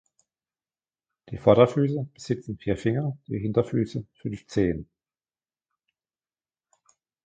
Die Vorderfüße besitzen vier Finger, die Hinterfüße fünf Zehen.